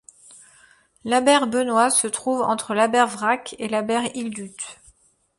L'Aber-Benoît se trouve entre l'Aber-Wrac'h et l'Aber-Ildut.